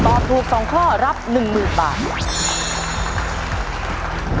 ตอบถูก๒ข้อรับ๑๐๐๐บาท